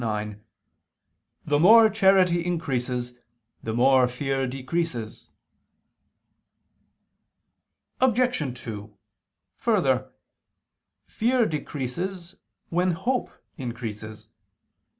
ix): "The more charity increases, the more fear decreases." Obj. 2: Further, fear decreases when hope increases.